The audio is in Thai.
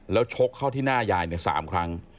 แล้วชกเข้าที่หน้ายายใน๓ครั้ง